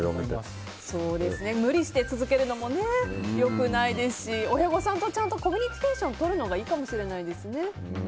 無理して続けるのも良くないですし親御さんとちゃんとコミュニケーションをとるのがいいかもしれないですね。